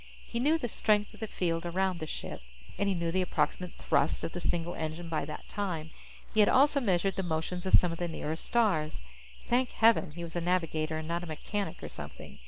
He knew the strength of the field around the ship, and he knew the approximate thrust of the single engine by that time. He had also measured the motions of some of the nearer stars. Thank heaven he was a navigator and not a mechanic or something!